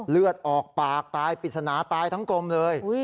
เลือดออกปากตายปริศนาตายทั้งกลมเลย